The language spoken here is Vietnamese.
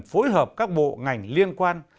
phối hợp các bộ ngành liên quan